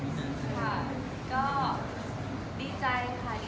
ดีใจที่วันนี้เป็นวันหยุ่งของคุณ